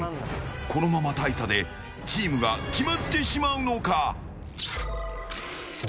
このまま大差でチームが決まってしまうのか。